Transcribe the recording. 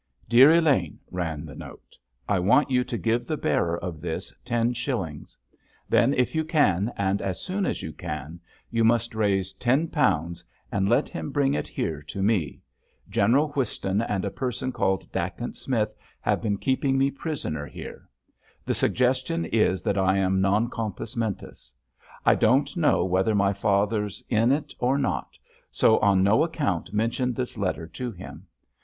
DEAR ELAINE, ran the note, _I want you to give the bearer of this ten shillings. Then, if you can, and as soon as you can, you must raise ten pounds and let him bring it here to me. General Whiston and a person called Dacent Smith have been keeping me prisoner here. The suggestion is that I am_ non compos mentis. _I don't know whether my father's in it or not, so on no account mention this letter to him.